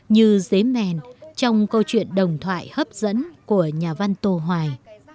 như giế mèn trong câu chuyện đồng thoại hấp dẫn của nhà văn tô hoài